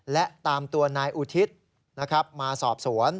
และตามตัวนายอุทิศมาสอบสวน